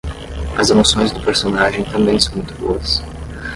As emoções do personagem também são muito boas.